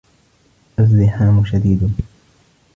الزِّحامُ شَدِيدٌ.